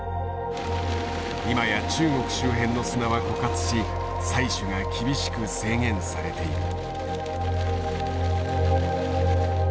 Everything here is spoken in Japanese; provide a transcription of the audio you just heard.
今や中国周辺の砂は枯渇し採取が厳しく制限されている。